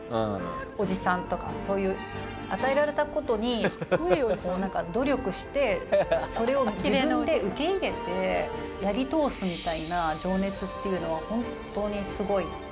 おじさんとかそういう与えられた事にこうなんか努力してそれを自分で受け入れてやり通すみたいな情熱っていうのは。